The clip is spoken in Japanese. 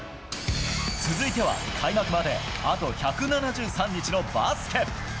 続いては、開幕まであと１７３日のバスケ。